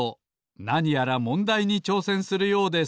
なにやらもんだいにちょうせんするようです